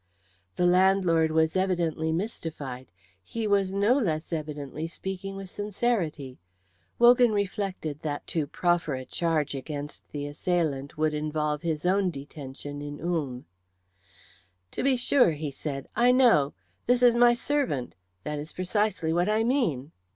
The landlord was evidently mystified; he was no less evidently speaking with sincerity. Wogan reflected that to proffer a charge against the assailant would involve his own detention in Ulm. "To be sure," said he, "I know. This is my servant. That is precisely what I mean."